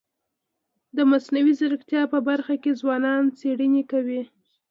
د مصنوعي ځیرکتیا په برخه کي ځوانان څېړني کوي.